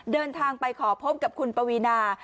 เดินทางไปขอพบกับคุณปวีนา